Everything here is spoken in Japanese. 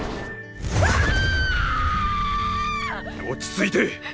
落ち着いて。